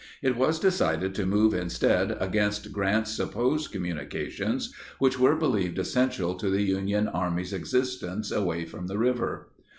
It was decided to move instead against Grant's supposed communications which were believed essential to the Union Army's existence away from the river.